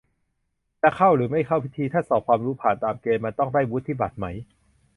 จะเข้าหรือไม่เข้าพิธี ถ้าสอบความรู้ผ่านตามเกณฑ์มันก็ต้องได้วุฒิบัตรไหม